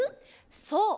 そう。